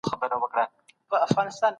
او یو ښه لارښود یا الګو.